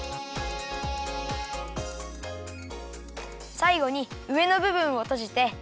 さいごにうえのぶぶんをとじて。